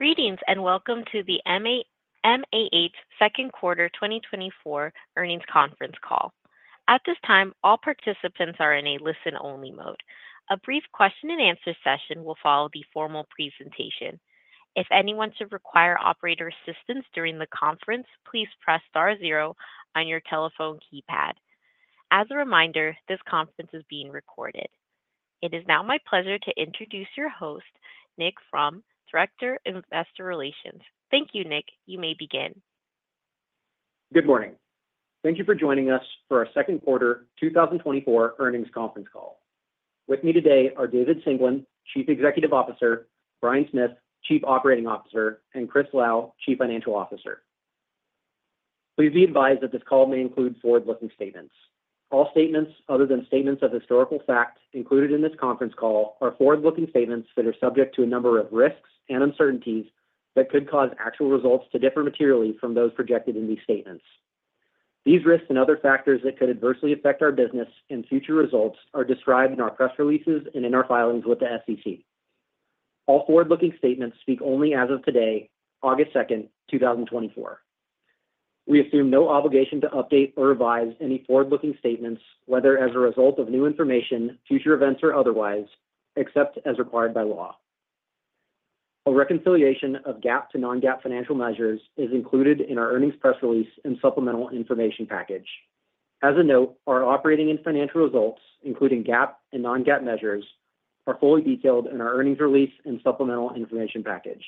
Greetings, and welcome to the AMH second quarter 2024 earnings conference call. At this time, all participants are in a listen-only mode. A brief question and answer session will follow the formal presentation. If anyone should require operator assistance during the conference, please press star zero on your telephone keypad. As a reminder, this conference is being recorded. It is now my pleasure to introduce your host, Nick Fromm, Director, Investor Relations. Thank you, Nick. You may begin. Good morning. Thank you for joining us for our second quarter 2024 earnings conference call. With me today are David Singelyn, Chief Executive Officer; Bryan Smith, Chief Operating Officer; and Chris Lau, Chief Financial Officer. Please be advised that this call may include forward-looking statements. All statements other than statements of historical fact included in this conference call are forward-looking statements that are subject to a number of risks and uncertainties that could cause actual results to differ materially from those projected in these statements. These risks and other factors that could adversely affect our business and future results are described in our press releases and in our filings with the SEC. All forward-looking statements speak only as of today, August 2, 2024. We assume no obligation to update or revise any forward-looking statements, whether as a result of new information, future events, or otherwise, except as required by law. A reconciliation of GAAP to non-GAAP financial measures is included in our earnings press release and supplemental information package. As a note, our operating and financial results, including GAAP and non-GAAP measures, are fully detailed in our earnings release and supplemental information package.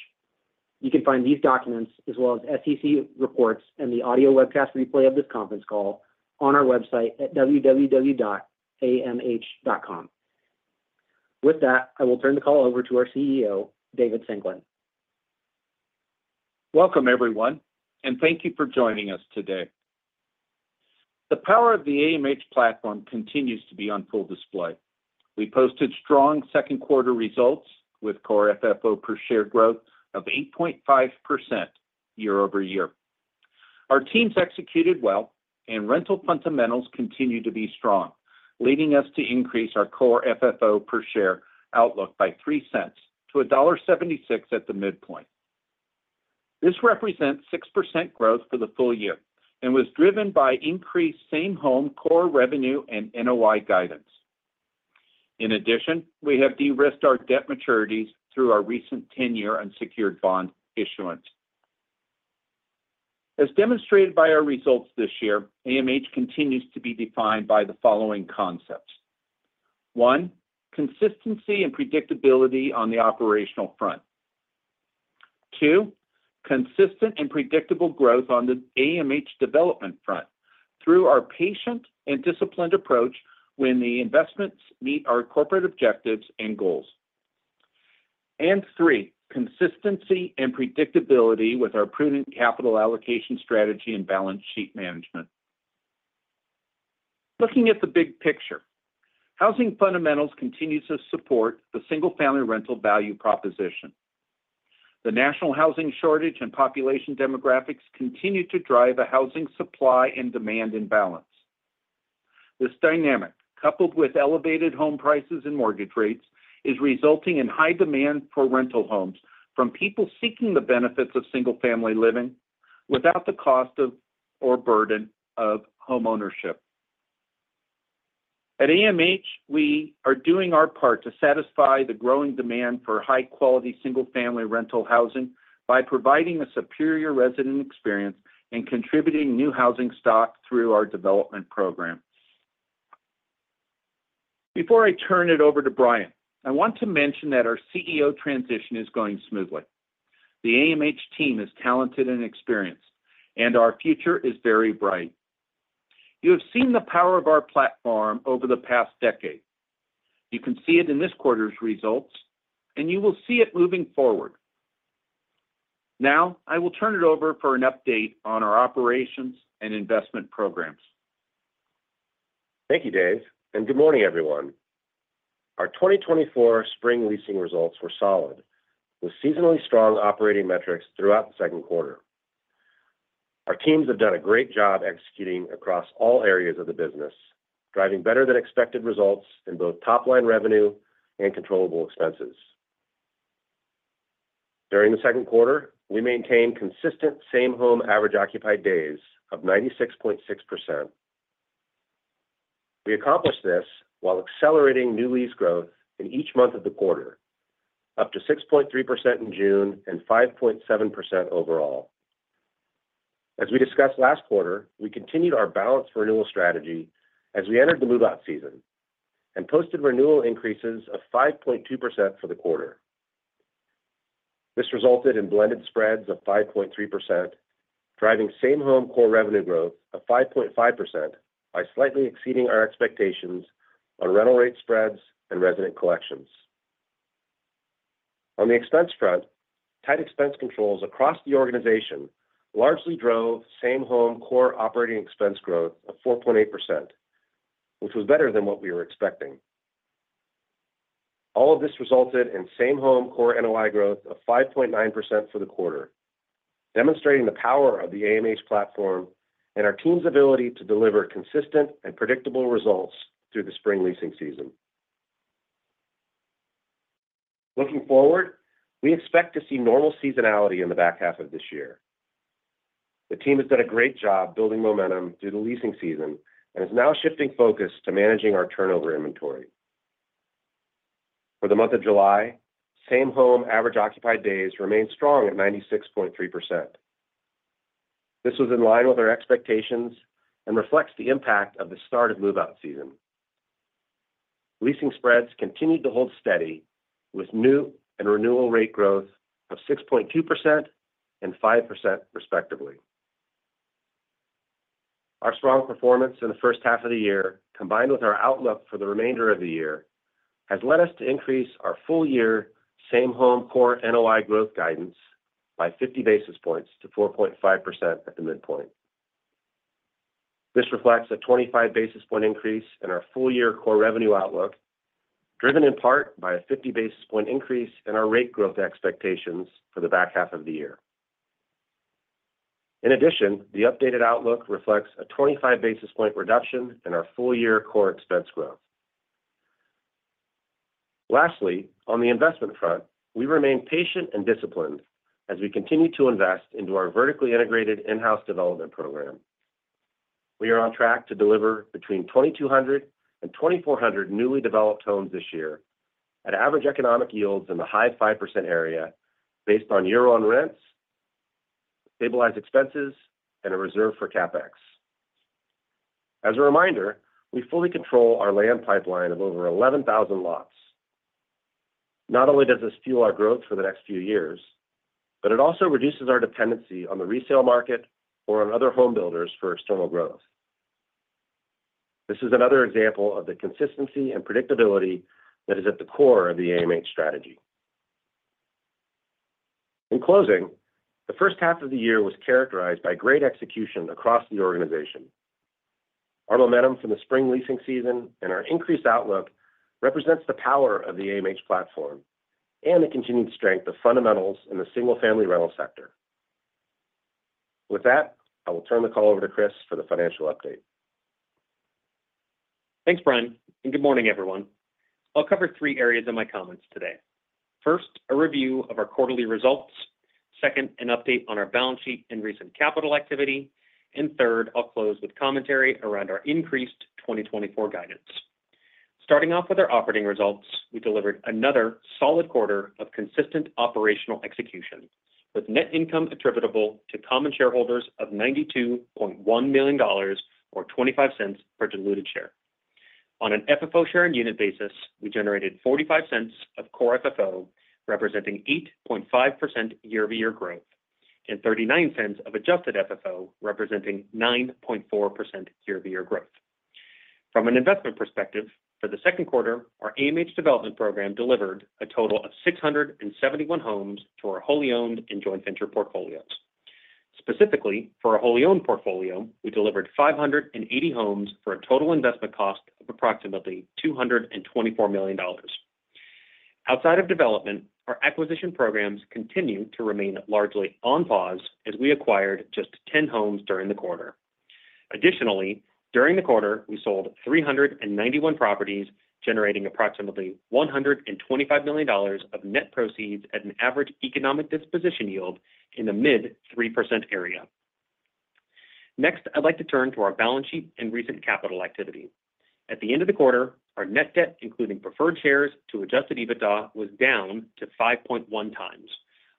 You can find these documents as well as SEC reports and the audio webcast replay of this conference call on our website at www.amh.com. With that, I will turn the call over to our CEO, David Singelyn. Welcome, everyone, and thank you for joining us today. The power of the AMH platform continues to be on full display. We posted strong second quarter results with core FFO per share growth of 8.5% year-over-year. Our teams executed well, and rental fundamentals continue to be strong, leading us to increase our core FFO per share outlook by $0.03 to $1.76 at the midpoint. This represents 6% growth for the full year and was driven by increased Same-Home core revenue and NOI guidance. In addition, we have de-risked our debt maturities through our recent ten-year unsecured bond issuance. As demonstrated by our results this year, AMH continues to be defined by the following concepts: One, consistency and predictability on the operational front. Two, consistent and predictable growth on the AMH development front through our patient and disciplined approach when the investments meet our corporate objectives and goals. And three, consistency and predictability with our prudent capital allocation strategy and balance sheet management. Looking at the big picture, housing fundamentals continues to support the single-family rental value proposition. The national housing shortage and population demographics continue to drive a housing supply and demand imbalance. This dynamic, coupled with elevated home prices and mortgage rates, is resulting in high demand for rental homes from people seeking the benefits of single-family living without the cost of or burden of homeownership. At AMH, we are doing our part to satisfy the growing demand for high-quality single-family rental housing by providing a superior resident experience and contributing new housing stock through our development program. Before I turn it over to Bryan, I want to mention that our CEO transition is going smoothly. The AMH team is talented and experienced, and our future is very bright. You have seen the power of our platform over the past decade. You can see it in this quarter's results, and you will see it moving forward. Now, I will turn it over for an update on our operations and investment programs. Thank you, Dave, and good morning, everyone. Our 2024 spring leasing results were solid, with seasonally strong operating metrics throughout the second quarter. Our teams have done a great job executing across all areas of the business, driving better-than-expected results in both top-line revenue and controllable expenses. During the second quarter, we maintained consistent same-home average occupied days of 96.6%. We accomplished this while accelerating new lease growth in each month of the quarter, up to 6.3% in June and 5.7% overall. As we discussed last quarter, we continued our balanced renewal strategy as we entered the move-out season and posted renewal increases of 5.2% for the quarter. This resulted in blended spreads of 5.3%, driving same-home core revenue growth of 5.5% by slightly exceeding our expectations on rental rate spreads and resident collections. On the expense front, tight expense controls across the organization largely drove same-home core operating expense growth of 4.8%, which was better than what we were expecting. All of this resulted in same-home core NOI growth of 5.9% for the quarter... demonstrating the power of the AMH platform and our team's ability to deliver consistent and predictable results through the spring leasing season. Looking forward, we expect to see normal seasonality in the back half of this year. The team has done a great job building momentum through the leasing season and is now shifting focus to managing our turnover inventory. For the month of July, same home average occupied days remained strong at 96.3%. This was in line with our expectations and reflects the impact of the start of move-out season. Leasing spreads continued to hold steady, with new and renewal rate growth of 6.2% and 5%, respectively. Our strong performance in the first half of the year, combined with our outlook for the remainder of the year, has led us to increase our full-year same home core NOI growth guidance by 50 basis points to 4.5% at the midpoint. This reflects a 25 basis point increase in our full-year core revenue outlook, driven in part by a 50 basis point increase in our rate growth expectations for the back half of the year. In addition, the updated outlook reflects a 25 basis point reduction in our full-year core expense growth. Lastly, on the investment front, we remain patient and disciplined as we continue to invest into our vertically integrated in-house development program. We are on track to deliver between 2,200 and 2,400 newly developed homes this year at average economic yields in the high 5% area, based on year-one rents, stabilized expenses, and a reserve for CapEx. As a reminder, we fully control our land pipeline of over 11,000 lots. Not only does this fuel our growth for the next few years, but it also reduces our dependency on the resale market or on other home builders for external growth. This is another example of the consistency and predictability that is at the core of the AMH strategy. In closing, the first half of the year was characterized by great execution across the organization. Our momentum from the spring leasing season and our increased outlook represents the power of the AMH platform and the continued strength of fundamentals in the single-family rental sector. With that, I will turn the call over to Chris for the financial update. Thanks, Bryan, and good morning, everyone. I'll cover three areas in my comments today. First, a review of our quarterly results. Second, an update on our balance sheet and recent capital activity. And third, I'll close with commentary around our increased 2024 guidance. Starting off with our operating results, we delivered another solid quarter of consistent operational execution, with net income attributable to common shareholders of $92.1 million or $0.25 per diluted share. On an FFO share and unit basis, we generated $0.45 of core FFO, representing 8.5% year-over-year growth, and $0.39 of adjusted FFO, representing 9.4% year-over-year growth. From an investment perspective, for the second quarter, our AMH development program delivered a total of 671 homes to our wholly owned and joint venture portfolios. Specifically, for our wholly owned portfolio, we delivered 580 homes for a total investment cost of approximately $224 million. Outside of development, our acquisition programs continue to remain largely on pause as we acquired just 10 homes during the quarter. Additionally, during the quarter, we sold 391 properties, generating approximately $125 million of net proceeds at an average economic disposition yield in the mid-3% area. Next, I'd like to turn to our balance sheet and recent capital activity. At the end of the quarter, our net debt, including preferred shares to Adjusted EBITDA, was down to 5.1 times.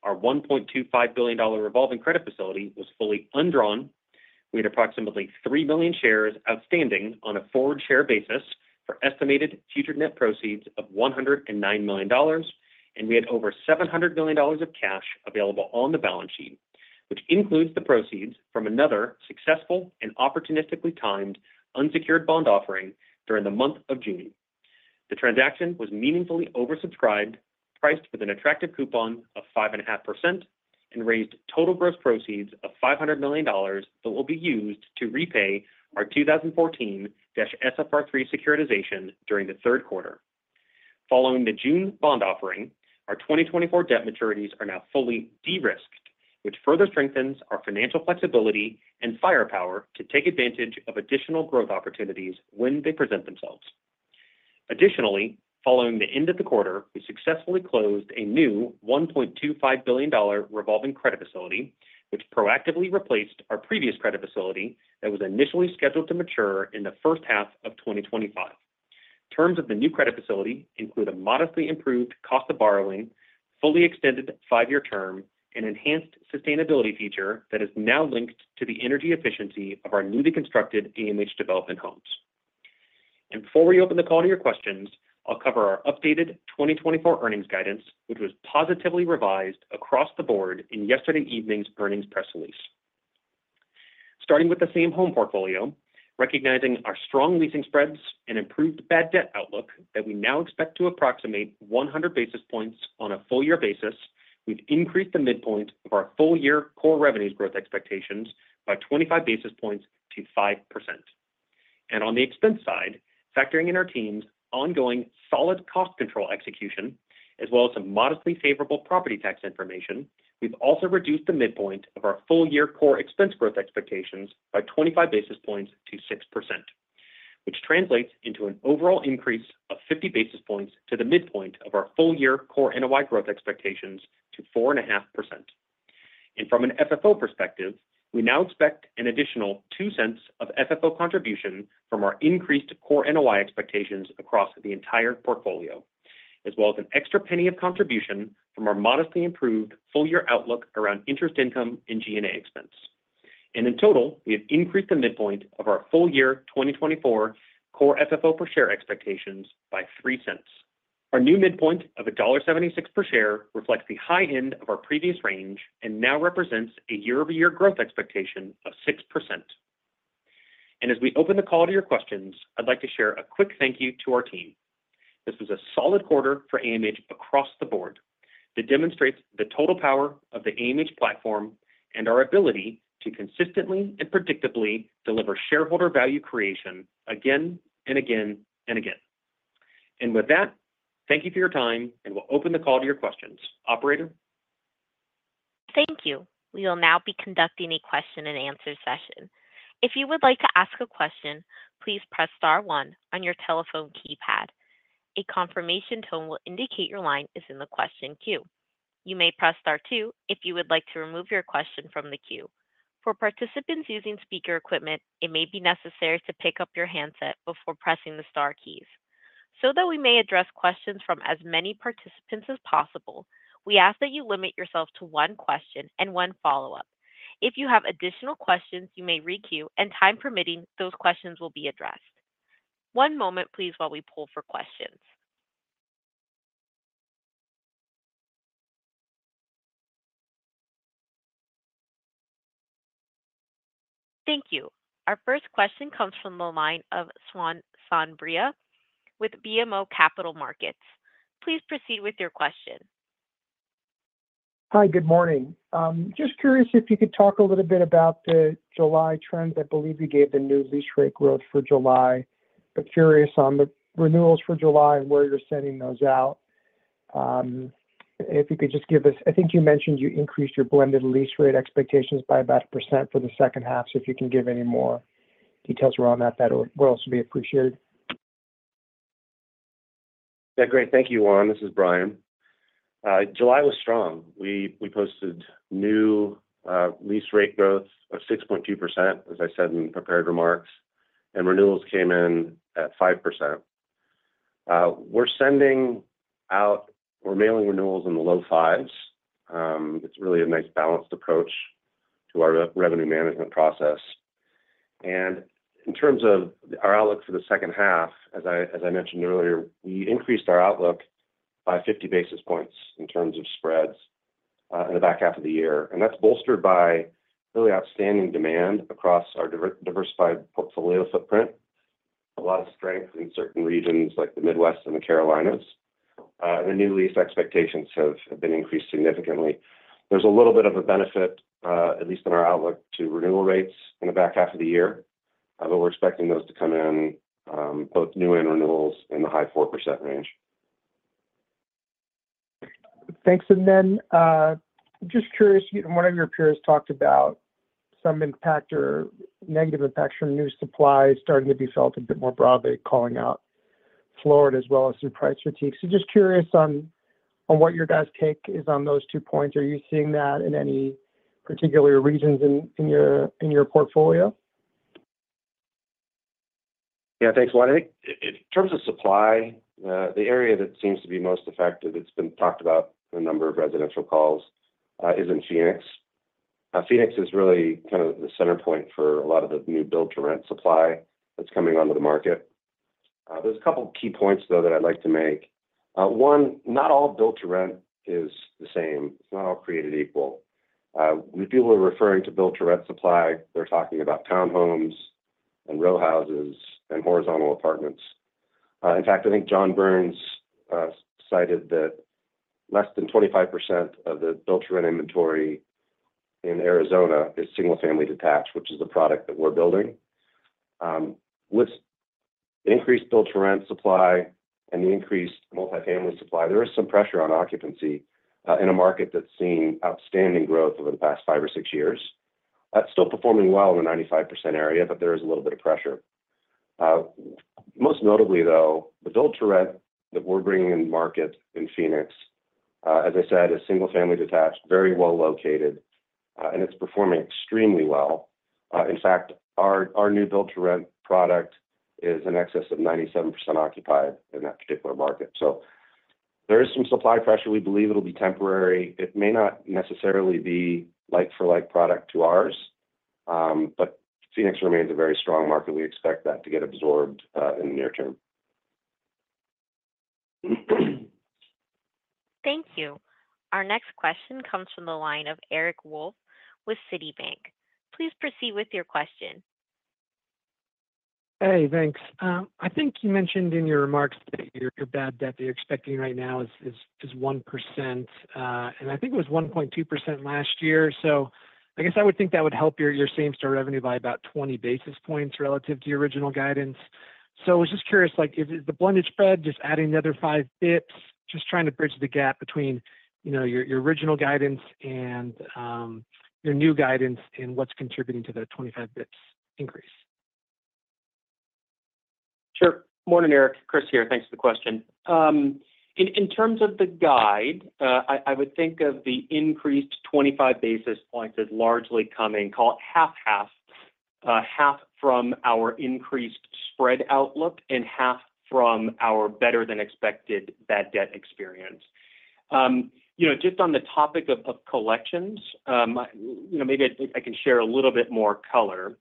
Our $1.25 billion revolving credit facility was fully undrawn. We had approximately three million shares outstanding on a forward share basis for estimated future net proceeds of $109 million, and we had over $700 million of cash available on the balance sheet, which includes the proceeds from another successful and opportunistically timed unsecured bond offering during the month of June. The transaction was meaningfully oversubscribed, priced with an attractive coupon of 5.5%, and raised total gross proceeds of $500 million that will be used to repay our 2014-SFR3 securitization during the third quarter. Following the June bond offering, our 2024 debt maturities are now fully de-risked, which further strengthens our financial flexibility and firepower to take advantage of additional growth opportunities when they present themselves. Additionally, following the end of the quarter, we successfully closed a new $1.25 billion revolving credit facility, which proactively replaced our previous credit facility that was initially scheduled to mature in the first half of 2025. Terms of the new credit facility include a modestly improved cost of borrowing, fully extended 5-year term, and enhanced sustainability feature that is now linked to the energy efficiency of our newly constructed AMH Development homes. And before we open the call to your questions, I'll cover our updated 2024 earnings guidance, which was positively revised across the board in yesterday evening's earnings press release. Starting with the same-home portfolio, recognizing our strong leasing spreads and improved bad debt outlook that we now expect to approximate 100 basis points on a full-year basis, we've increased the midpoint of our full-year core revenues growth expectations by 25 basis points to 5%. On the expense side, factoring in our team's ongoing solid cost control execution, as well as some modestly favorable property tax information, we've also reduced the midpoint of our full-year core expense growth expectations by 25 basis points to 6%, which translates into an overall increase of 50 basis points to the midpoint of our full-year core NOI growth expectations to 4.5%. From an FFO perspective, we now expect an additional $0.02 of FFO contribution from our increased core NOI expectations across the entire portfolio, as well as an extra $0.01 of contribution from our modestly improved full-year outlook around interest income and G&A expense. In total, we have increased the midpoint of our full-year 2024 core FFO per share expectations by $0.03. Our new midpoint of $1.76 per share reflects the high end of our previous range and now represents a year-over-year growth expectation of 6%. As we open the call to your questions, I'd like to share a quick thank you to our team. This was a solid quarter for AMH across the board that demonstrates the total power of the AMH platform and our ability to consistently and predictably deliver shareholder value creation again and again and again. With that, thank you for your time, and we'll open the call to your questions. Operator? Thank you. We will now be conducting a question and answer session. If you would like to ask a question, please press star one on your telephone keypad. A confirmation tone will indicate your line is in the question queue. You may press star two if you would like to remove your question from the queue. For participants using speaker equipment, it may be necessary to pick up your handset before pressing the star keys. So that we may address questions from as many participants as possible, we ask that you limit yourself to one question and one follow-up. If you have additional questions, you may re-queue, and time permitting, those questions will be addressed. One moment, please, while we pull for questions. Thank you. Our first question comes from the line of Juan Sanabria with BMO Capital Markets. Please proceed with your question. Hi, good morning. Just curious if you could talk a little bit about the July trends. I believe you gave the new lease rate growth for July, but curious on the renewals for July and where you're sending those out. If you could just give us, I think you mentioned you increased your blended lease rate expectations by about 1% for the second half, so if you can give any more details around that, that would also be appreciated. Yeah, great. Thank you, Juan. This is Bryan. July was strong. We posted new lease rate growth of 6.2%, as I said in prepared remarks, and renewals came in at 5%. We're sending out, we're mailing renewals in the low fives. It's really a nice balanced approach to our revenue management process. In terms of our outlook for the second half, as I mentioned earlier, we increased our outlook by 50 basis points in terms of spreads in the back half of the year, and that's bolstered by really outstanding demand across our diversified portfolio footprint. A lot of strength in certain regions like the Midwest and the Carolinas. The new lease expectations have been increased significantly. There's a little bit of a benefit, at least in our outlook, to renewal rates in the back half of the year, but we're expecting those to come in, both new and renewals in the high 4% range. Thanks. And then, just curious, one of your peers talked about some impact or negative impacts from new supply starting to be felt a bit more broadly, calling out Florida as well as some price critiques. So just curious on what your guys' take is on those two points. Are you seeing that in any particular regions in your portfolio? Yeah, thanks, Juan. I think in terms of supply, the area that seems to be most affected, it's been talked about a number of residential calls, is in Phoenix. Phoenix is really kind of the center point for a lot of the new build to rent supply that's coming onto the market. There's a couple key points, though, that I'd like to make. One, not all build to rent is the same. It's not all created equal. When people are referring to build to rent supply, they're talking about townhomes and row houses and horizontal apartments. In fact, I think John Burns cited that less than 25% of the build to rent inventory in Arizona is single-family detached, which is the product that we're building. With increased build-to-rent supply and the increased multifamily supply, there is some pressure on occupancy in a market that's seen outstanding growth over the past five or six years. That's still performing well in the 95% area, but there is a little bit of pressure. Most notably, though, the build-to-rent that we're bringing in the market in Phoenix, as I said, is single-family detached, very well located, and it's performing extremely well. In fact, our new build-to-rent product is in excess of 97% occupied in that particular market. So there is some supply pressure. We believe it'll be temporary. It may not necessarily be like for like product to ours, but Phoenix remains a very strong market. We expect that to get absorbed in the near term. Thank you. Our next question comes from the line of Eric Wolfe with Citi. Please proceed with your question. Hey, thanks. I think you mentioned in your remarks that your bad debt that you're expecting right now is 1%, and I think it was 1.2% last year. So I guess I would think that would help your same-store revenue by about 20 basis points relative to your original guidance. So I was just curious, like, if the blended spread, just adding the other 5 bits, just trying to bridge the gap between, you know, your, your original guidance and, your new guidance and what's contributing to the 25 bits increase? Sure. Morning, Eric. Chris here. Thanks for the question. In terms of the guide, I would think of the increased 25 basis points as largely coming, call it half-half. Half from our increased spread outlook and half from our better than expected bad debt experience. You know, just on the topic of collections, you know, maybe I can share a little bit more color.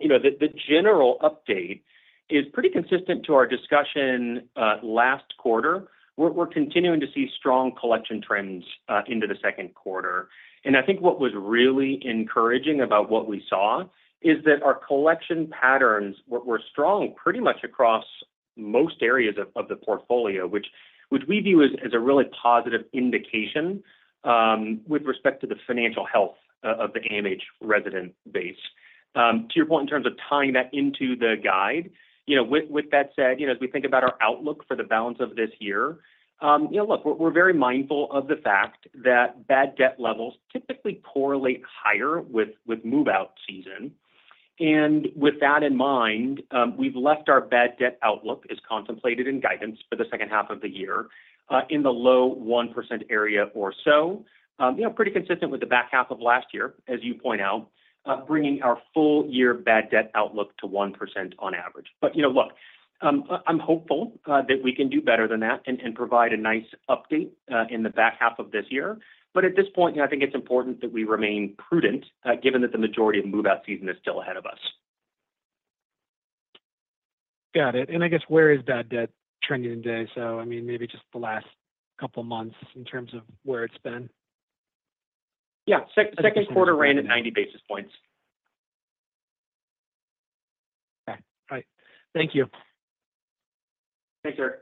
You know, the general update is pretty consistent to our discussion last quarter. We're continuing to see strong collection trends into the second quarter. I think what was really encouraging about what we saw is that our collection patterns were strong pretty much across most areas of the portfolio, which we view as a really positive indication with respect to the financial health of the AMH resident base. To your point, in terms of tying that into the guide, you know, with that said, you know, as we think about our outlook for the balance of this year, you know, look, we're very mindful of the fact that bad debt levels typically correlate higher with move-out season. And with that in mind, we've left our bad debt outlook as contemplated in guidance for the second half of the year in the low 1% area or so. You know, pretty consistent with the back half of last year, as you point out, bringing our full year bad debt outlook to 1% on average. But, you know, look, I'm hopeful that we can do better than that and provide a nice update in the back half of this year. But at this point, you know, I think it's important that we remain prudent, given that the majority of move-out season is still ahead of us. Got it. And I guess, where is bad debt trending today? So, I mean, maybe just the last couple of months in terms of where it's been. Yeah. Second quarter ran at 90 basis points. Okay. All right. Thank you. Thanks, Eric.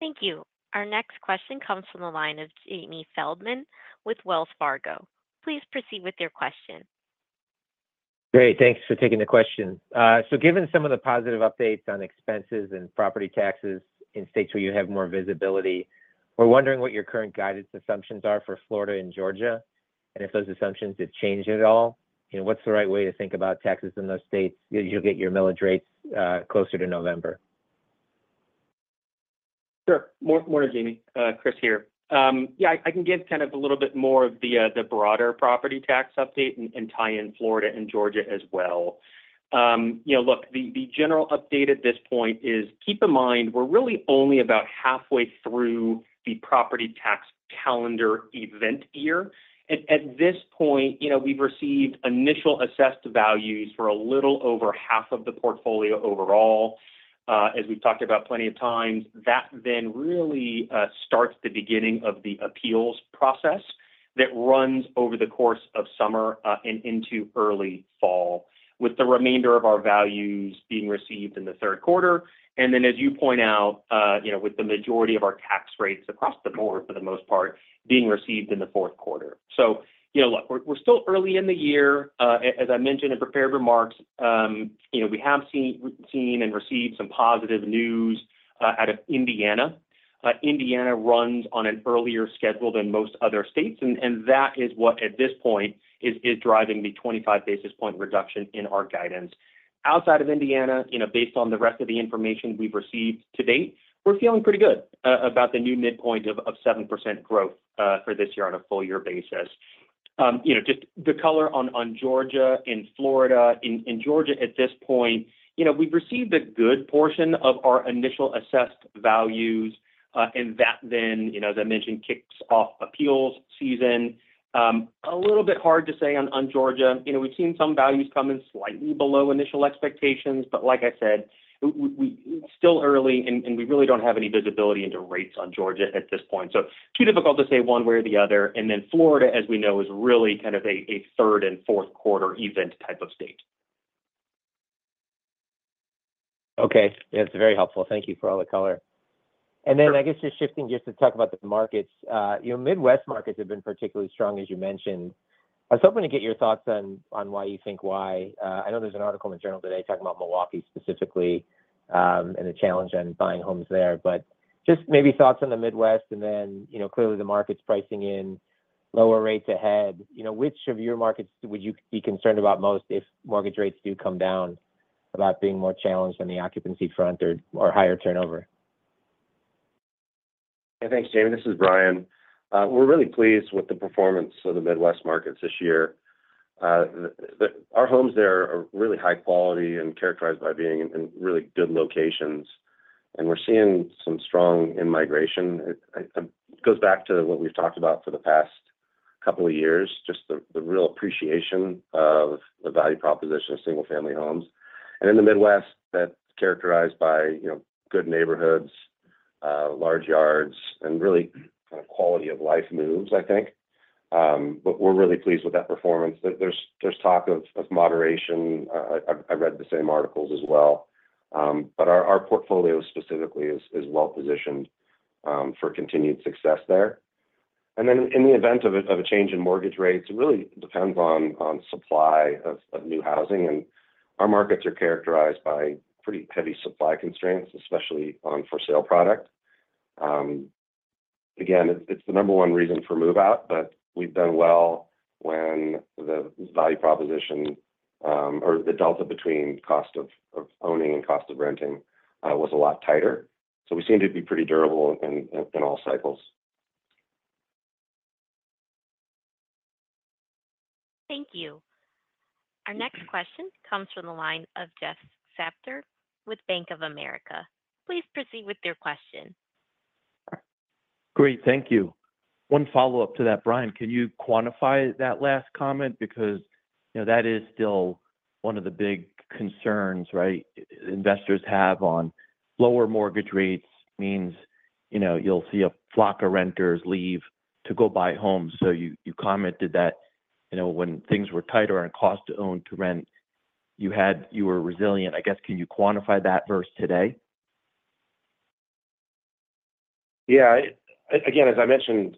Thank you. Our next question comes from the line of Jamie Feldman with Wells Fargo. Please proceed with your question. Great. Thanks for taking the question. So given some of the positive updates on expenses and property taxes in states where you have more visibility, we're wondering what your current guidance assumptions are for Florida and Georgia, and if those assumptions have changed at all, and what's the right way to think about taxes in those states, you'll get your millage rates closer to November? Sure. Morning, Jamie. Chris here. Yeah, I can give kind of a little bit more of the broader property tax update and tie in Florida and Georgia as well. You know, look, the general update at this point is, keep in mind, we're really only about halfway through the property tax calendar event year. At this point, you know, we've received initial assessed values for a little over half of the portfolio overall. As we've talked about plenty of times, that then really starts the beginning of the appeals process that runs over the course of summer and into early fall, with the remainder of our values being received in the third quarter. And then, as you point out, you know, with the majority of our tax rates across the board, for the most part, being received in the fourth quarter. So, you know, look, we're still early in the year. As I mentioned in prepared remarks, you know, we have seen and received some positive news out of Indiana. Indiana runs on an earlier schedule than most other states, and that is what, at this point, is driving the 25 basis point reduction in our guidance. Outside of Indiana, you know, based on the rest of the information we've received to date, we're feeling pretty good about the new midpoint of 7% growth for this year on a full year basis. You know, just the color on Georgia and Florida. In Georgia, at this point, you know, we've received a good portion of our initial assessed values, and that then, you know, as I mentioned, kicks off appeals season. A little bit hard to say on, on Georgia. You know, we've seen some values come in slightly below initial expectations, but like I said, we still early and, and we really don't have any visibility into rates on Georgia at this point. So too difficult to say one way or the other. And then Florida, as we know, is really kind of a third and fourth quarter event type of state. Okay. It's very helpful. Thank you for all the color. Sure. And then I guess just shifting to talk about the markets. You know, Midwest markets have been particularly strong, as you mentioned. I was hoping to get your thoughts on why you think... I know there's an article in the journal today talking about Milwaukee specifically, and the challenge on buying homes there. But just maybe thoughts on the Midwest, and then, you know, clearly, the market's pricing in lower rates ahead. You know, which of your markets would you be concerned about most if mortgage rates do come down, about being more challenged on the occupancy front or higher turnover? Thanks, Jamie. This is Bryan. We're really pleased with the performance of the Midwest markets this year. Our homes there are really high quality and characterized by being in really good locations, and we're seeing some strong in-migration. It goes back to what we've talked about for the past couple of years, just the real appreciation of the value proposition of single-family homes. And in the Midwest, that's characterized by, you know, good neighborhoods, large yards, and really, kind of quality of life moves, I think. But we're really pleased with that performance. There's talk of moderation. I read the same articles as well. But our portfolio specifically is well positioned for continued success there.... Then in the event of a change in mortgage rates, it really depends on supply of new housing. Our markets are characterized by pretty heavy supply constraints, especially on for-sale product. Again, it's the number one reason for move-out, but we've done well when the value proposition or the delta between cost of owning and cost of renting was a lot tighter. So we seem to be pretty durable in all cycles. Thank you. Our next question comes from the line of Jeff Spector with Bank of America. Please proceed with your question. Great. Thank you. One follow-up to that, Bryan. Can you quantify that last comment? Because, you know, that is still one of the big concerns, right, investors have on lower mortgage rates, means, you know, you'll see a flock of renters leave to go buy homes. So you commented that, you know, when things were tighter on cost to own to rent, you had, you were resilient. I guess, can you quantify that versus today? Yeah. Again, as I mentioned,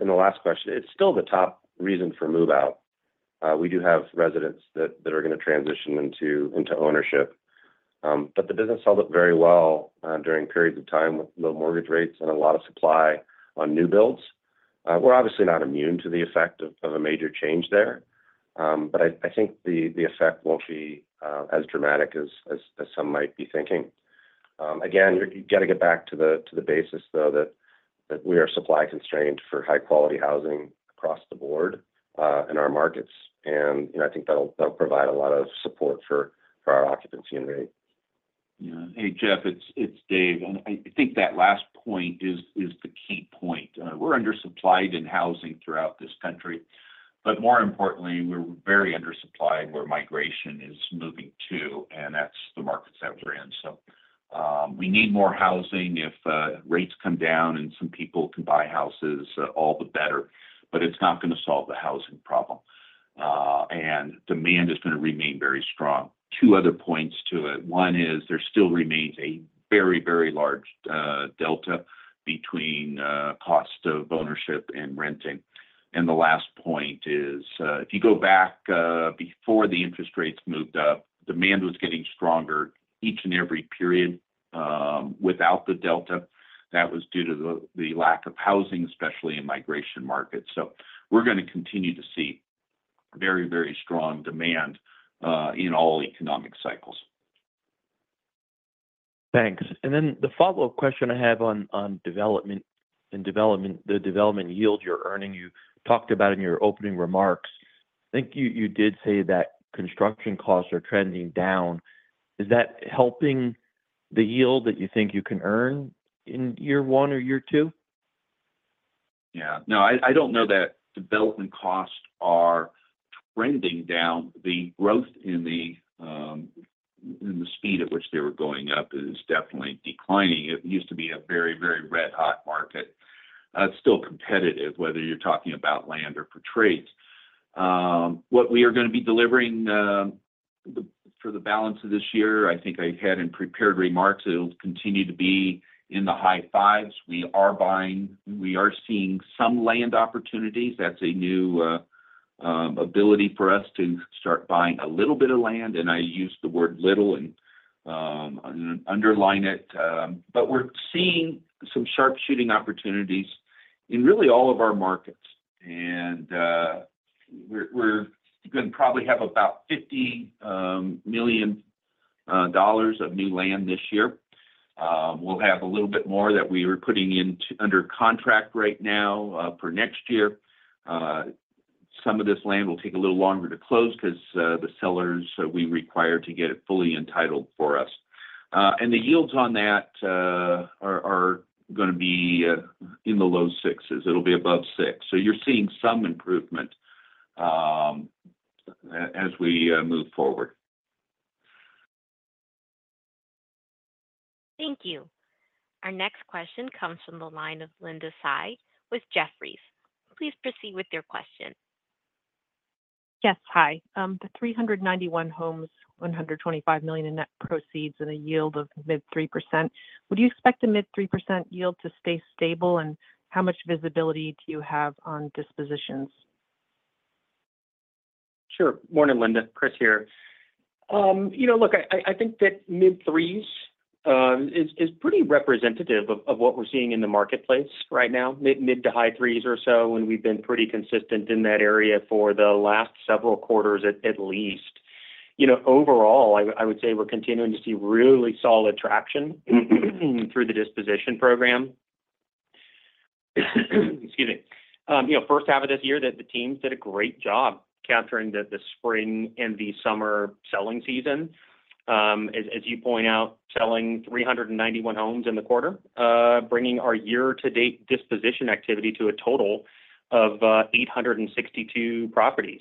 in the last question, it's still the top reason for move-out. We do have residents that are gonna transition into ownership. But the business held up very well during periods of time with low mortgage rates and a lot of supply on new builds. We're obviously not immune to the effect of a major change there, but I think the effect won't be as dramatic as some might be thinking. Again, you gotta get back to the basis, though, that we are supply constrained for high-quality housing across the board in our markets. And, you know, I think that'll provide a lot of support for our occupancy and rate. Yeah. Hey, Jeff, it's Dave. And I think that last point is the key point. We're undersupplied in housing throughout this country, but more importantly, we're very undersupplied where migration is moving to, and that's the markets that we're in. So, we need more housing. If rates come down and some people can buy houses, all the better, but it's not gonna solve the housing problem, and demand is gonna remain very strong. Two other points to it. One is there still remains a very, very large delta between cost of ownership and renting. And the last point is, if you go back before the interest rates moved up, demand was getting stronger each and every period without the delta. That was due to the lack of housing, especially in migration markets. We're gonna continue to see very, very strong demand in all economic cycles. Thanks. And then the follow-up question I have on development, the development yield you're earning, you talked about in your opening remarks. I think you did say that construction costs are trending down. Is that helping the yield that you think you can earn in year one or year two? Yeah. No, I don't know that development costs are trending down. The growth in the speed at which they were going up is definitely declining. It used to be a very, very red-hot market. It's still competitive, whether you're talking about land or for trades. What we are gonna be delivering for the balance of this year, I think I had in prepared remarks, it'll continue to be in the high fives. We are seeing some land opportunities. That's a new ability for us to start buying a little bit of land, and I use the word "little" and underline it. But we're seeing some sharpshooting opportunities in really all of our markets, and we're gonna probably have about $50 million of new land this year. We'll have a little bit more that we are putting into under contract right now for next year. Some of this land will take a little longer to close 'cause the sellers we require to get it fully entitled for us. And the yields on that are gonna be in the low sixes. It'll be above six. So you're seeing some improvement as we move forward. Thank you. Our next question comes from the line of Linda Tsai with Jefferies. Please proceed with your question. Yes, hi. The 391 homes, $125 million in net proceeds and a yield of mid-3%. Would you expect the mid-3% yield to stay stable? And how much visibility do you have on dispositions? Sure. Morning, Linda. Chris here. You know, look, I think that mid-3s is pretty representative of what we're seeing in the marketplace right now, mid- to high-3s or so, and we've been pretty consistent in that area for the last several quarters at least. You know, overall, I would say we're continuing to see really solid traction through the disposition program. Excuse me. You know, first half of this year, the teams did a great job capturing the spring and the summer selling season. As you point out, selling 391 homes in the quarter, bringing our year-to-date disposition activity to a total of 862 properties,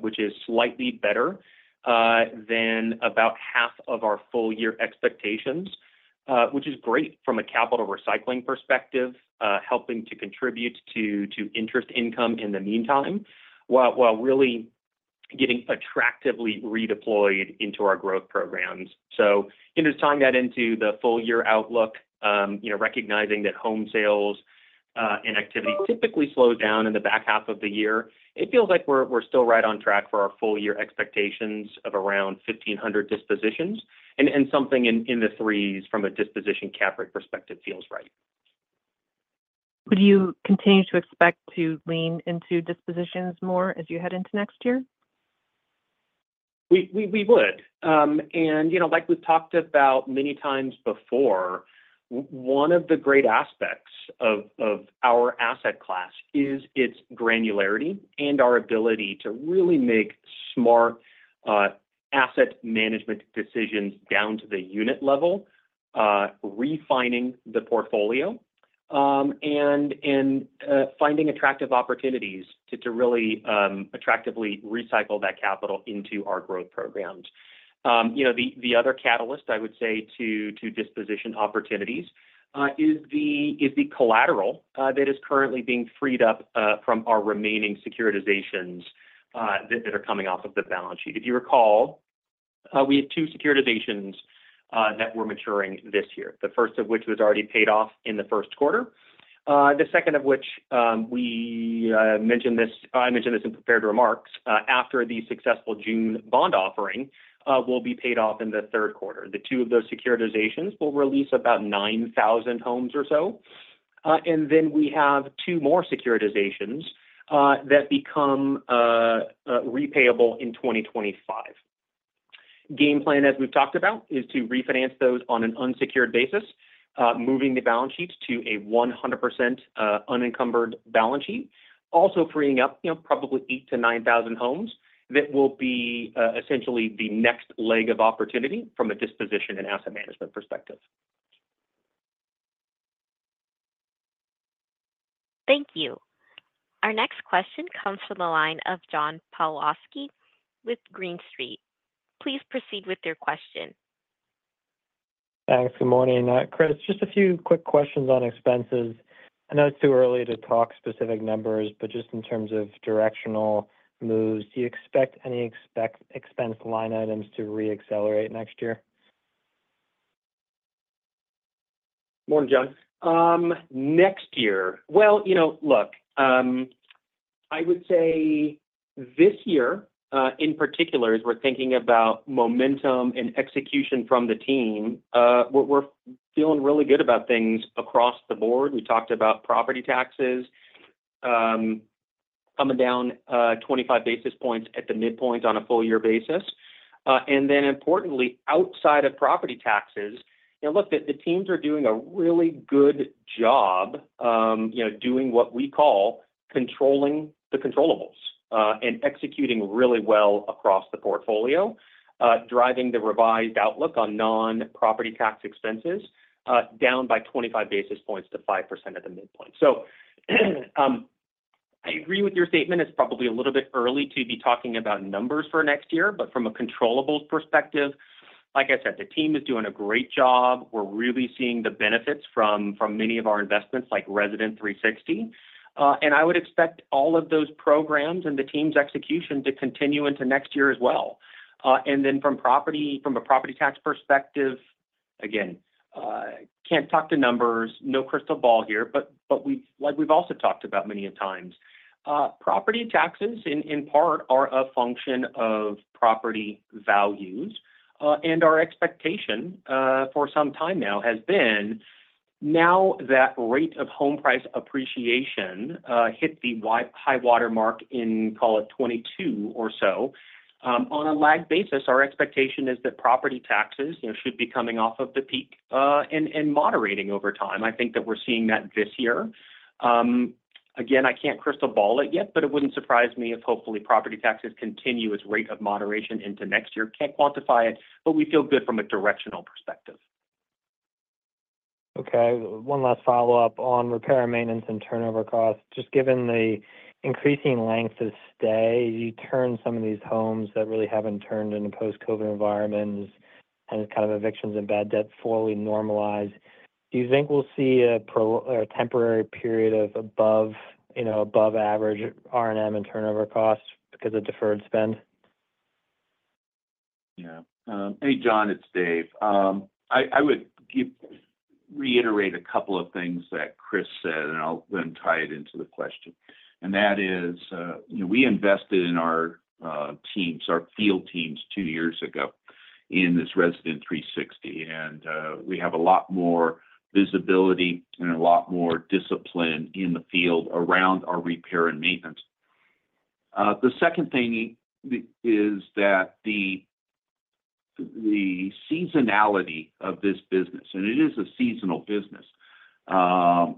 which is slightly better than about half of our full year expectations. Which is great from a capital recycling perspective, helping to contribute to interest income in the meantime, while getting attractively redeployed into our growth programs. So, you know, tying that into the full-year outlook, you know, recognizing that home sales and activity typically slow down in the back half of the year, it feels like we're still right on track for our full-year expectations of around 1,500 dispositions. And something in the threes from a disposition cap rate perspective feels right. Would you continue to expect to lean into dispositions more as you head into next year? We would. You know, like we've talked about many times before, one of the great aspects of our asset class is its granularity and our ability to really make smart asset management decisions down to the unit level, refining the portfolio, and finding attractive opportunities to really attractively recycle that capital into our growth programs. You know, the other catalyst, I would say, to disposition opportunities is the collateral that is currently being freed up from our remaining securitizations that are coming off of the balance sheet. If you recall, we had two securitizations that were maturing this year. The first of which was already paid off in the first quarter. The second of which I mentioned this in prepared remarks, after the successful June bond offering, will be paid off in the third quarter. The two of those securitizations will release about 9,000 homes or so. And then we have two more securitizations that become repayable in 2025. Game plan, as we've talked about, is to refinance those on an unsecured basis, moving the balance sheets to a 100% unencumbered balance sheet. Also freeing up, you know, probably 8,000-9,000 homes that will be essentially the next leg of opportunity from a disposition and asset management perspective. Thank you. Our next question comes from the line of John Pawlowski with Green Street. Please proceed with your question. Thanks. Good morning. Chris, just a few quick questions on expenses. I know it's too early to talk specific numbers, but just in terms of directional moves, do you expect any expense line items to reaccelerate next year? Morning, John. Next year... Well, you know, look, I would say this year, in particular, as we're thinking about momentum and execution from the team, we're, we're feeling really good about things across the board. We talked about property taxes, coming down, 25 basis points at the midpoint on a full year basis. And then importantly, outside of property taxes, you know, look, the, the teams are doing a really good job, you know, doing what we call controlling the controllables, and executing really well across the portfolio. Driving the revised outlook on non-property tax expenses, down by 25 basis points to 5% at the midpoint. So, I agree with your statement. It's probably a little bit early to be talking about numbers for next year, but from a controllables perspective, like I said, the team is doing a great job. We're really seeing the benefits from many of our investments, like Resident360. And I would expect all of those programs and the team's execution to continue into next year as well. And then from a property tax perspective, again, I can't talk to numbers, no crystal ball here, but we—like we've also talked about many a times, property taxes, in part, are a function of property values. And our expectation for some time now has been that the rate of home price appreciation hit the high water mark in, call it 2022 or so. On a lag basis, our expectation is that property taxes, you know, should be coming off of the peak, and moderating over time. I think that we're seeing that this year. Again, I can't crystal ball it yet, but it wouldn't surprise me if hopefully property taxes continue its rate of moderation into next year. Can't quantify it, but we feel good from a directional perspective. Okay, one last follow-up on repair, maintenance, and turnover costs. Just given the increasing length of stay, you turn some of these homes that really haven't turned in a post-COVID environment, and kind of evictions and bad debt fully normalize. Do you think we'll see a temporary period of above, you know, above average R&M and turnover costs because of deferred spend? Yeah. Hey, John, it's Dave. I would reiterate a couple of things that Chris said, and I'll then tie it into the question. And that is, you know, we invested in our teams, our field teams, two years ago in this Resident360, and we have a lot more visibility and a lot more discipline in the field around our repair and maintenance. The second thing is that the seasonality of this business, and it is a seasonal business, it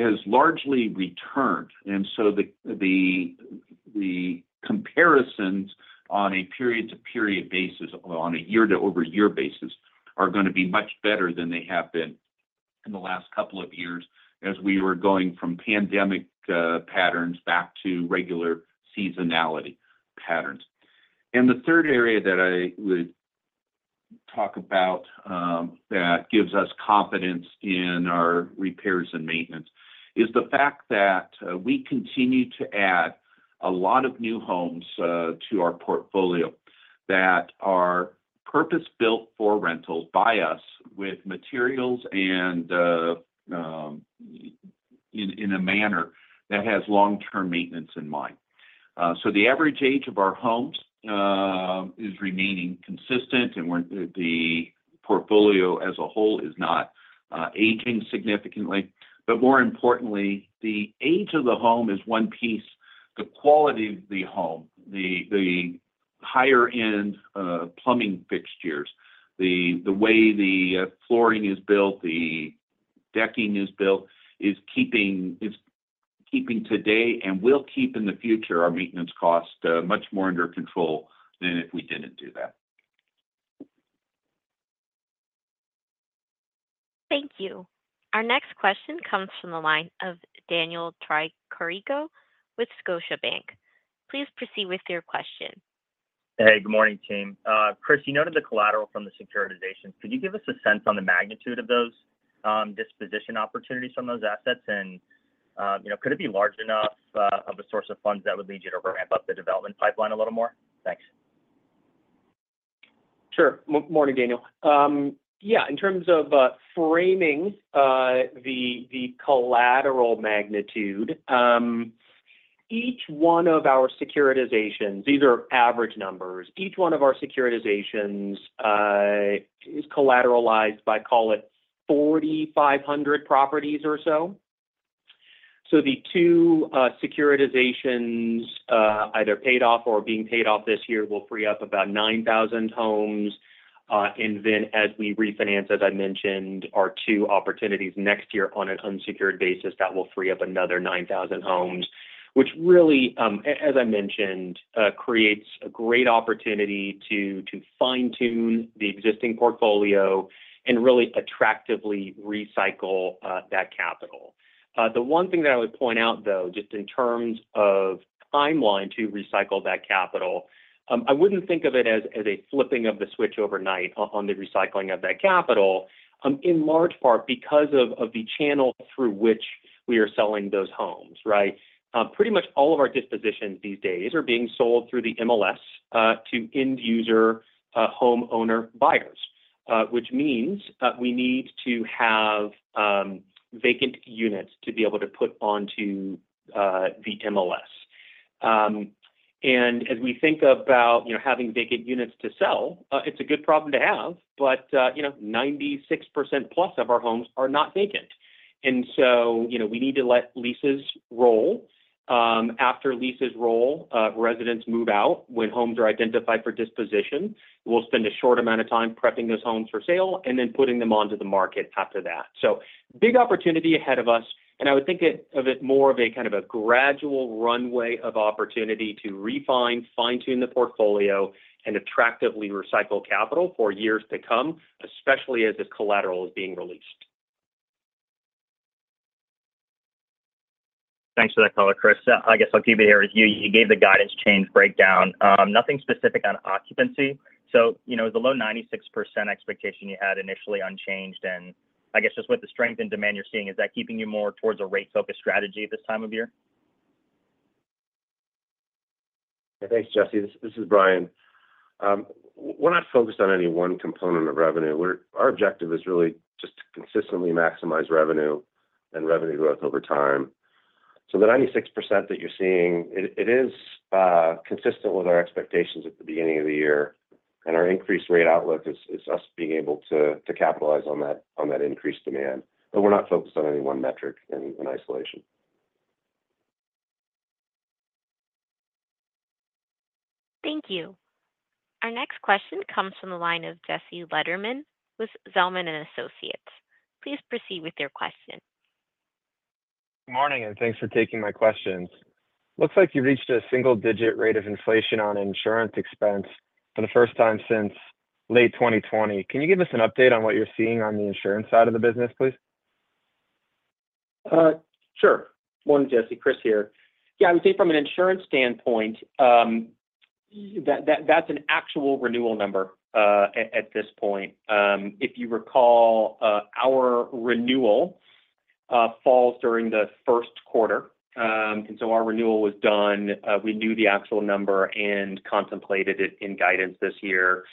has largely returned. And so the comparisons on a period to period basis, on a year-over-year basis, are gonna be much better than they have been in the last couple of years as we were going from pandemic patterns back to regular seasonality patterns. And the third area that I would-... talk about that gives us confidence in our repairs and maintenance is the fact that we continue to add a lot of new homes to our portfolio that are purpose-built for rentals by us with materials and in a manner that has long-term maintenance in mind. So the average age of our homes is remaining consistent, and the portfolio as a whole is not aging significantly. But more importantly, the age of the home is one piece. The quality of the home, the higher-end plumbing fixtures, the way the flooring is built, the decking is built, is keeping today and will keep in the future our maintenance cost much more under control than if we didn't do that. Thank you. Our next question comes from the line of Daniel Tricarico with Scotiabank. Please proceed with your question. Hey, good morning, team. Chris, you noted the collateral from the securitizations. Could you give us a sense on the magnitude of those, disposition opportunities from those assets? And, you know, could it be large enough, of a source of funds that would lead you to ramp up the development pipeline a little more? Thanks. Sure. Morning, Daniel. Yeah, in terms of framing the collateral magnitude, each one of our securitizations. These are average numbers. Each one of our securitizations is collateralized by, call it, 4,500 properties or so. So the two securitizations either paid off or being paid off this year will free up about 9,000 homes. And then as we refinance, as I mentioned, our two opportunities next year on an unsecured basis, that will free up another 9,000 homes, which really, as I mentioned, creates a great opportunity to fine-tune the existing portfolio and really attractively recycle that capital. The one thing that I would point out, though, just in terms of timeline to recycle that capital, I wouldn't think of it as a flipping of the switch overnight on the recycling of that capital, in large part because of the channel through which we are selling those homes, right? Pretty much all of our dispositions these days are being sold through the MLS to end user homeowner buyers. Which means, we need to have vacant units to be able to put onto the MLS. And as we think about, you know, having vacant units to sell, it's a good problem to have, but, you know, 96% plus of our homes are not vacant. And so, you know, we need to let leases roll. After leases roll, residents move out. When homes are identified for disposition, we'll spend a short amount of time prepping those homes for sale and then putting them onto the market after that. So big opportunity ahead of us, and I would think of it more of a kind of a gradual runway of opportunity to refine, fine-tune the portfolio, and attractively recycle capital for years to come, especially as this collateral is being released. Thanks for that color, Chris. I guess I'll keep it here. You, you gave the guidance change breakdown. Nothing specific on occupancy. So, you know, the low 96% expectation you had initially unchanged, and I guess just with the strength and demand you're seeing, is that keeping you more towards a rate-focused strategy this time of year? Thanks, Jesse. This is Bryan. We're not focused on any one component of revenue. We're. Our objective is really just to consistently maximize revenue and revenue growth over time. So the 96% that you're seeing, it is consistent with our expectations at the beginning of the year, and our increased rate outlook is us being able to capitalize on that increased demand. But we're not focused on any one metric in isolation. Thank you. Our next question comes from the line of Jesse Lederman with Zelman & Associates. Please proceed with your question. Good morning, and thanks for taking my questions. Looks like you reached a single-digit rate of inflation on insurance expense for the first time since late 2020. Can you give us an update on what you're seeing on the insurance side of the business, please? Sure. Morning, Jesse. Chris here. Yeah, I would say from an insurance standpoint, that's an actual renewal number at this point. If you recall, our renewal falls during the first quarter. And so our renewal was done. We knew the actual number and contemplated it in guidance this year.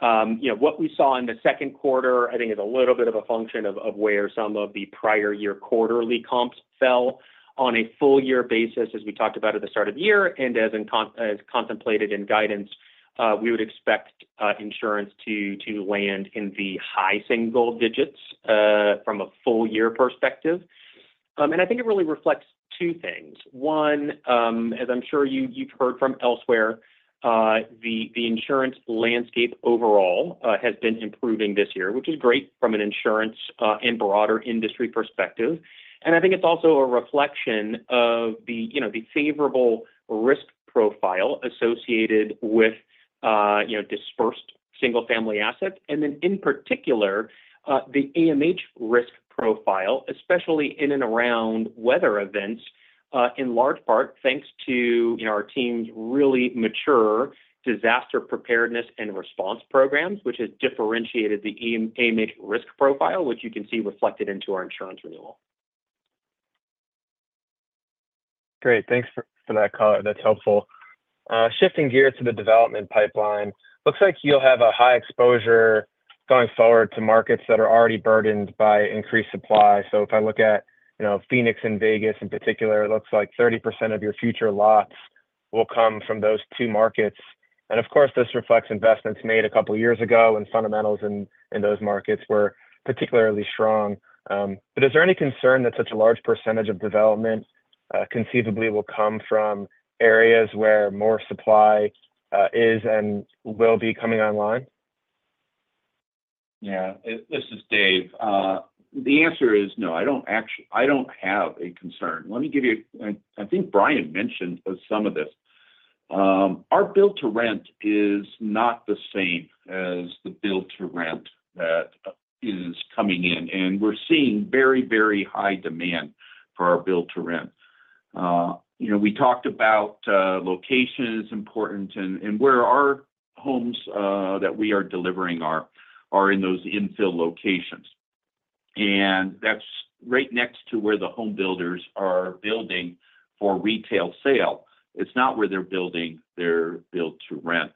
You know, what we saw in the second quarter, I think, is a little bit of a function of where some of the prior year quarterly comps fell on a full year basis, as we talked about at the start of the year. And as contemplated in guidance, we would expect insurance to land in the high single digits from a full year perspective. And I think it really reflects two things. One, as I'm sure you, you've heard from elsewhere, the, the insurance landscape overall, has been improving this year, which is great from an insurance, and broader industry perspective. And I think it's also a reflection of the, you know, the favorable risk profile associated with, you know, dispersed single-family assets, and then, in particular, the AMH risk profile, especially in and around weather events. In large part, thanks to, you know, our team's really mature disaster preparedness and response programs, which has differentiated the AMH risk profile, which you can see reflected into our insurance renewal. Great. Thanks for that color. That's helpful. Shifting gears to the development pipeline. Looks like you'll have a high exposure going forward to markets that are already burdened by increased supply. So if I look at, you know, Phoenix and Vegas in particular, it looks like 30% of your future lots will come from those two markets. And of course, this reflects investments made a couple of years ago, when fundamentals in those markets were particularly strong. But is there any concern that such a large percentage of development conceivably will come from areas where more supply is and will be coming online? Yeah. This is Dave. The answer is no. I don't actually, I don't have a concern. Let me give you, I think Bryan mentioned some of this. Our build to rent is not the same as the build to rent that is coming in, and we're seeing very, very high demand for our build to rent. You know, we talked about location is important and where our homes that we are delivering are in those infill locations. And that's right next to where the home builders are building for retail sale. It's not where they're building their build to rent.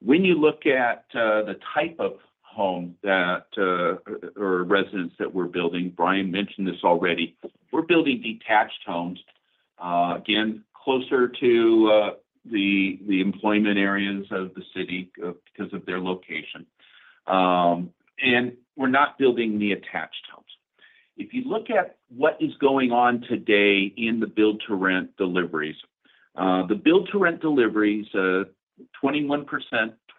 When you look at the type of home that or residents that we're building, Bryan mentioned this already, we're building detached homes, again, closer to the the employment areas of the city because of their location. And we're not building the attached homes. If you look at what is going on today in the build to rent deliveries, the build to rent deliveries, 21%,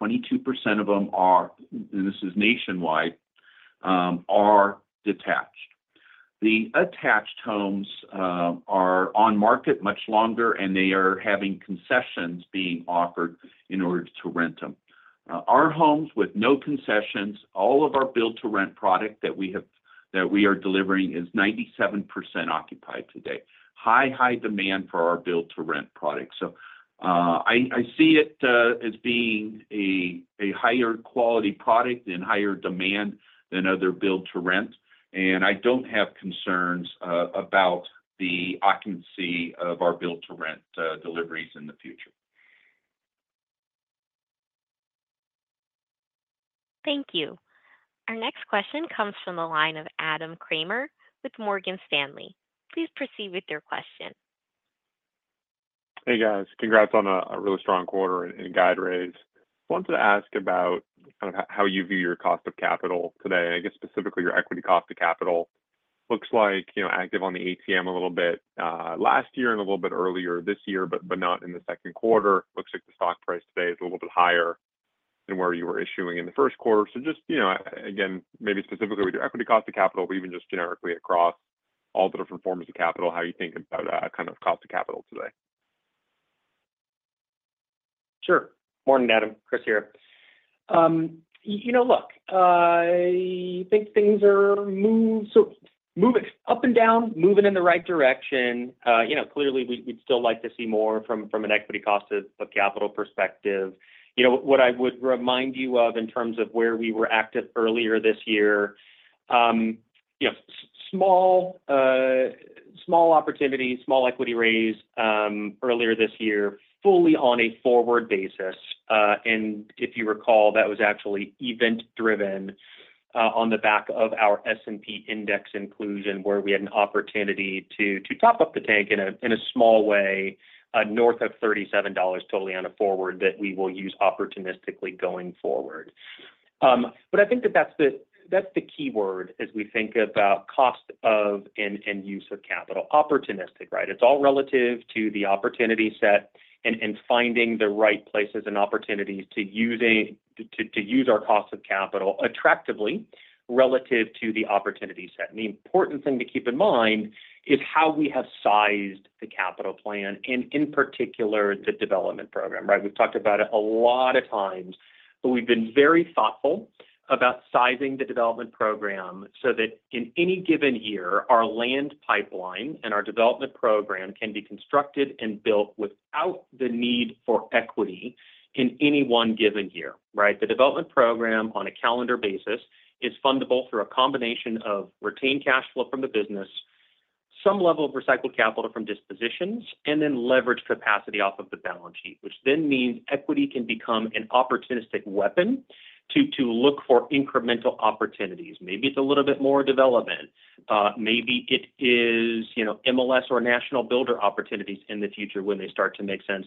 22% of them are, and this is nationwide, are detached. The attached homes are on market much longer, and they are having concessions being offered in order to rent them. Our homes with no concessions, all of our build to rent product that we have, that we are delivering, is 97% occupied today. High, high demand for our build to rent product. So, I see it as being a higher quality product and higher demand than other build to rent, and I don't have concerns about the occupancy of our build to rent deliveries in the future. Thank you. Our next question comes from the line of Adam Kramer with Morgan Stanley. Please proceed with your question. Hey, guys. Congrats on a really strong quarter and guide raise. Wanted to ask about kind of how you view your cost of capital today, and I guess specifically, your equity cost of capital. Looks like, you know, active on the ATM a little bit last year and a little bit earlier this year, but not in the second quarter. Looks like the stock price today is a little bit higher than where you were issuing in the first quarter. So just, you know, again, maybe specifically with your equity cost of capital, but even just generically across all the different forms of capital, how you think about kind of cost of capital today? Sure. Morning, Adam. Chris here. You know, look, I think things are moving up and down, moving in the right direction. You know, clearly, we'd still like to see more from an equity cost of capital perspective. You know, what I would remind you of in terms of where we were active earlier this year, you know, small opportunities, small equity raise, earlier this year, fully on a forward basis. And if you recall, that was actually event-driven, on the back of our S&P index inclusion, where we had an opportunity to top up the tank in a small way, north of $37 totally on a forward that we will use opportunistically going forward. But I think that's the key word as we think about cost of capital and use of capital. Opportunistic, right? It's all relative to the opportunity set and finding the right places and opportunities to use our cost of capital attractively relative to the opportunity set. And the important thing to keep in mind is how we have sized the capital plan and in particular, the development program, right? We've talked about it a lot of times, but we've been very thoughtful about sizing the development program so that in any given year, our land pipeline and our development program can be constructed and built without the need for equity in any one given year, right? The development program on a calendar basis is fundable through a combination of retained cash flow from the business, some level of recycled capital from dispositions, and then leverage capacity off of the balance sheet, which then means equity can become an opportunistic weapon to look for incremental opportunities. Maybe it's a little bit more development, maybe it is, you know, MLS or national builder opportunities in the future when they start to make sense,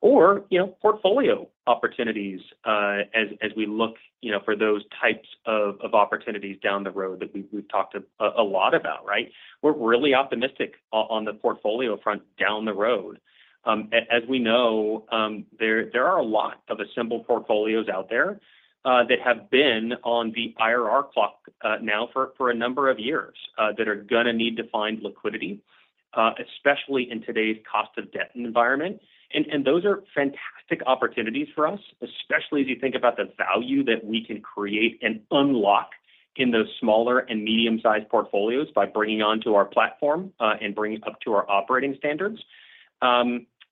or, you know, portfolio opportunities, as we look, you know, for those types of opportunities down the road that we've talked a lot about, right? We're really optimistic on the portfolio front down the road. As we know, there are a lot of assembled portfolios out there, that have been on the IRR clock, now for a number of years, that are gonna need to find liquidity, especially in today's cost of debt environment. And those are fantastic opportunities for us, especially as you think about the value that we can create and unlock... in those smaller and medium-sized portfolios by bringing onto our platform, and bringing up to our operating standards.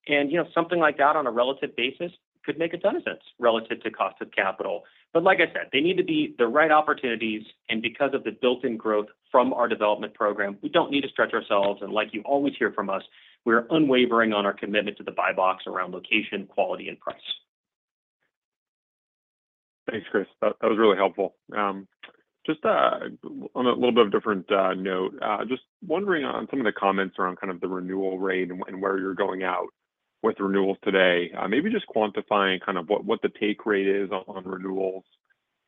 And, you know, something like that on a relative basis could make a ton of sense relative to cost of capital. But like I said, they need to be the right opportunities, and because of the built-in growth from our development program, we don't need to stretch ourselves. Like you always hear from us, we're unwavering on our commitment to the buy box around location, quality, and price. Thanks, Chris. That was really helpful. Just on a little bit of a different note, just wondering on some of the comments around kind of the renewal rate and where you're going out with renewals today. Maybe just quantifying kind of what the take rate is on renewals,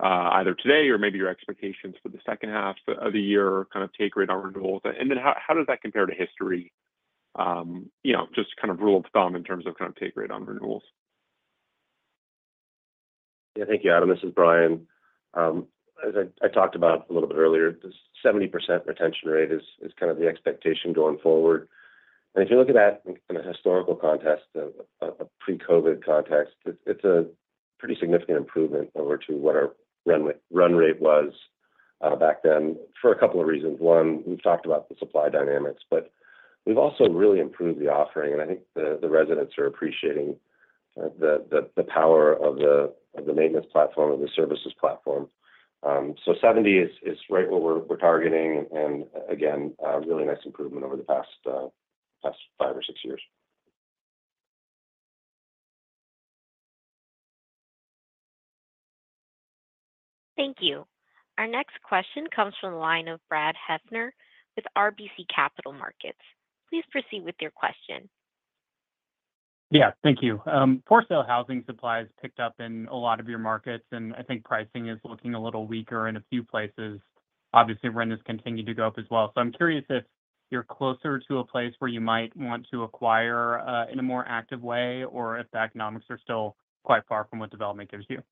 either today or maybe your expectations for the second half of the year, kind of take rate on renewals. And then how does that compare to history? You know, just kind of rule of thumb in terms of kind of take rate on renewals. Yeah. Thank you, Adam. This is Bryan. As I talked about a little bit earlier, the 70% retention rate is kind of the expectation going forward. If you look at that in a historical context, a pre-COVID context, it's a pretty significant improvement over to what our run rate was back then for a couple of reasons. One, we've talked about the supply dynamics, but we've also really improved the offering, and I think the residents are appreciating the power of the maintenance platform and the services platform. So 70 is right where we're targeting, and again, a really nice improvement over the past five or six years. Thank you. Our next question comes from the line of Brad Heffern with RBC Capital Markets. Please proceed with your question. Yeah, thank you. For-sale housing supply has picked up in a lot of your markets, and I think pricing is looking a little weaker in a few places. Obviously, rent has continued to go up as well. So I'm curious if you're closer to a place where you might want to acquire in a more active way, or if the economics are still quite far from what development gives you.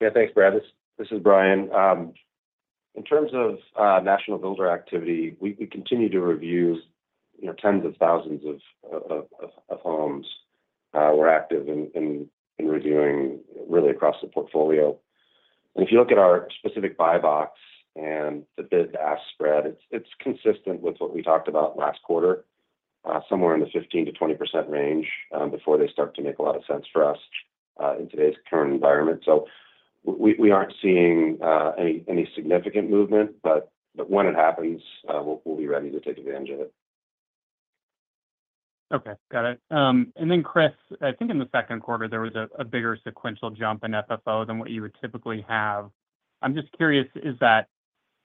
Yeah. Thanks, Brad. This is Bryan. In terms of national builder activity, we continue to review, you know, tens of thousands of homes. We're active in reviewing really across the portfolio. And if you look at our specific buy box and the bid-to-ask spread, it's consistent with what we talked about last quarter, somewhere in the 15%-20% range, before they start to make a lot of sense for us in today's current environment. So we aren't seeing any significant movement, but when it happens, we'll be ready to take advantage of it. Okay. Got it. And then, Chris, I think in the second quarter, there was a bigger sequential jump in FFO than what you would typically have. I'm just curious,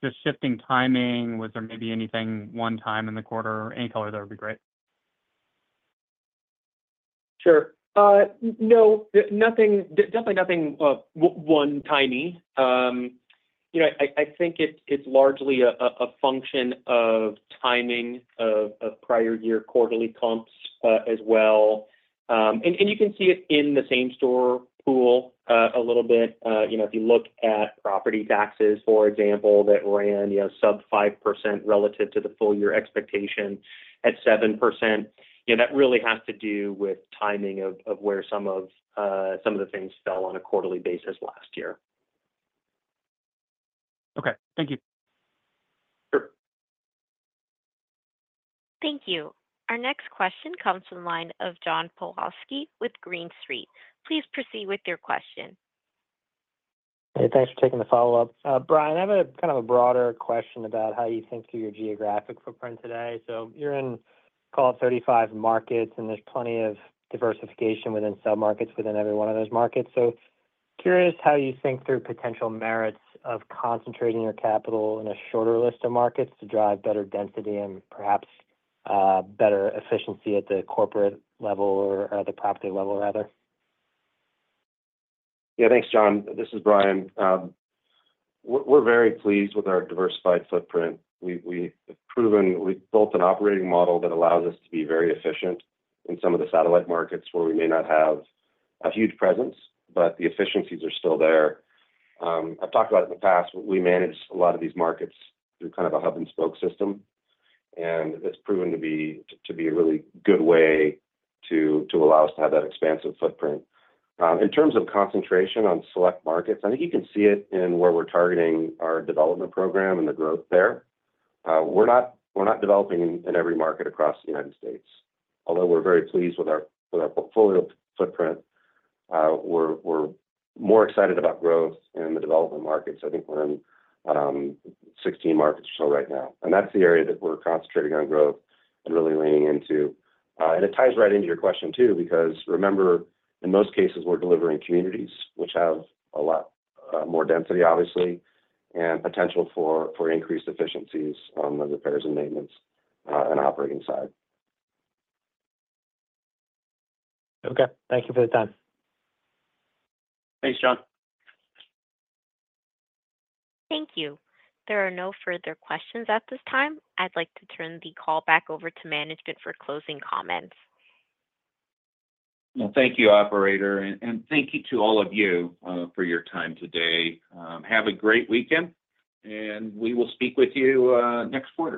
is that just shifting timing? Was there maybe anything one time in the quarter? Any color there would be great. Sure. No, nothing, definitely nothing, one-time. You know, I think it's largely a function of timing of prior-year quarterly comps, as well. And you can see it in the same-store pool a little bit. You know, if you look at property taxes, for example, that ran sub-5% relative to the full-year expectation at 7%, you know, that really has to do with timing of where some of the things fell on a quarterly basis last year. Okay. Thank you. Sure. Thank you. Our next question comes from the line of John Pawlowski with Green Street. Please proceed with your question. Hey, thanks for taking the follow-up. Bryan, I have a kind of a broader question about how you think through your geographic footprint today. So you're in call it 35 markets, and there's plenty of diversification within submarkets, within every one of those markets. So curious how you think through potential merits of concentrating your capital in a shorter list of markets to drive better density and perhaps better efficiency at the corporate level or at the property level, rather. Yeah. Thanks, John. This is Bryan. We're very pleased with our diversified footprint. We've proven—we've built an operating model that allows us to be very efficient in some of the satellite markets where we may not have a huge presence, but the efficiencies are still there. I've talked about it in the past. We manage a lot of these markets through kind of a hub-and-spoke system, and it's proven to be a really good way to allow us to have that expansive footprint. In terms of concentration on select markets, I think you can see it in where we're targeting our development program and the growth there. We're not developing in every market across the United States. Although we're very pleased with our portfolio footprint, we're more excited about growth in the development markets. I think we're in 16 markets or so right now, and that's the area that we're concentrating on growth and really leaning into. It ties right into your question, too, because remember, in most cases, we're delivering communities which have a lot more density, obviously, and potential for increased efficiencies on the repairs and maintenance, and operating side. Okay. Thank you for the time. Thanks, John. Thank you. There are no further questions at this time. I'd like to turn the call back over to management for closing comments. Well, thank you, operator, and, and thank you to all of you, for your time today. Have a great weekend, and we will speak with you, next quarter.